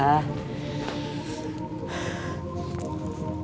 bapak sudah berjaya menangkan bapak